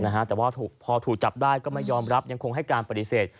แต่ว่าพอถูกจับได้ก็ไม่ยอมรับยังคงให้การปฏิเสธ